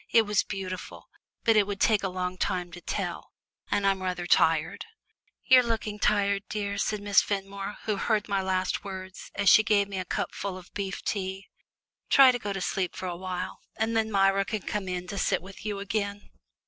"It was beautiful. But it would take a long time to tell, and I'm rather tired." "You are looking tired, dear," said Miss Fenmore, who heard my last words, as she gave me a cupful of beef tea. "Try to go to sleep for a little, and then Myra can come to sit with you again."